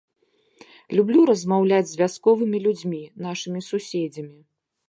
Люблю размаўляць з вясковымі людзьмі, нашымі суседзямі.